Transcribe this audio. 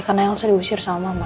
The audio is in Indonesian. karena elsa diusir sama mama